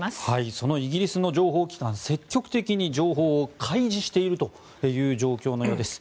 そのイギリスの情報機関積極的に情報を開示しているという状況のようです。